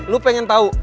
lu pengen tau